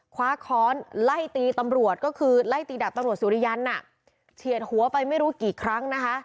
คว้าค้อนไล่ตีตำรวจก็คือไล่ตีดับตำรวจสุริยันอ่ะเฉียดหัวไปไม่รู้กี่ครั้งนะคะ